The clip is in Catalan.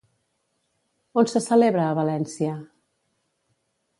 On se celebra a València?